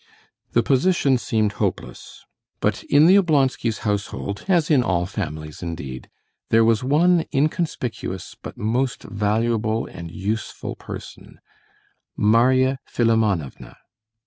The position seemed hopeless. But in the Oblonskys' household, as in all families indeed, there was one inconspicuous but most valuable and useful person, Marya Philimonovna.